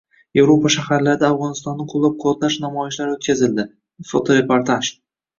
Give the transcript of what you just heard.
Yevropa shaharlarida Afg‘onistonni qo‘llab-quvvatlab namoyishlar o‘tkazildi. Fotoreportaj